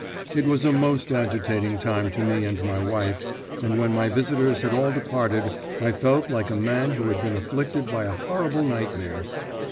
It was a most agitating time to me and my wife, and when my visitors had all departed I felt like a man who had been afflicted by a horrible nightmare.